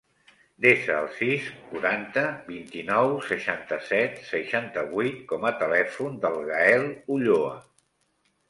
Desa el sis, quaranta, vint-i-nou, seixanta-set, seixanta-vuit com a telèfon del Gael Ulloa.